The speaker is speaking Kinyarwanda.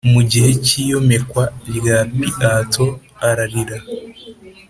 Mu gihe cy iyomekwa rya piato ararira